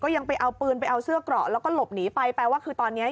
ยังไปเอาปืนไปเอาเสื้อเกราะแล้วก็หลบหนีไปแปลว่าคือตอนนี้